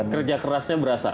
kerja kerasnya berasa